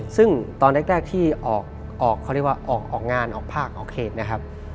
ซึ่งตอนแรกที่ออกงานออกภาคออกเขตนะครับ